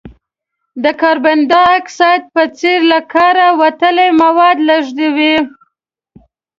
د کاربن ډای اکساید په څېر له کاره وتلي مواد لیږدوي.